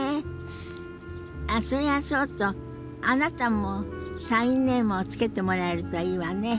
あっそれはそうとあなたもサインネームを付けてもらえるといいわね。